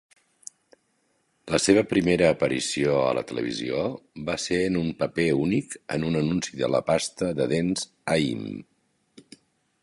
La seva primera aparició a la televisió va ser en un paper únic en un anunci de la pasta de dents Aim.